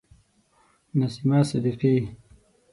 نسیمه صدیقی